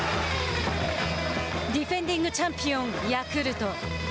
ディフェンディングチャンピオンヤクルト。